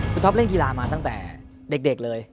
เกียรามาตั้งแต่เด็กเลย